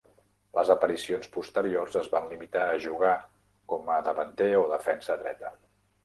Les aparicions posteriors es van limitar a jugar com a davanter o defensa dreta.